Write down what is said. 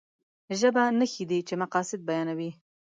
ژبه نښې دي چې مقاصد بيانوي.